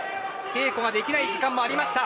稽古ができない時間もありました。